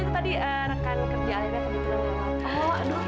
itu tadi rekan kerja akhirnya